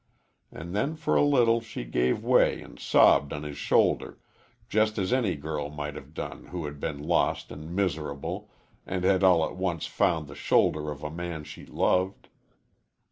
And then for a little she gave way and sobbed on his shoulder, just as any girl might have done who had been lost and miserable and had all at once found the shoulder of a man she loved.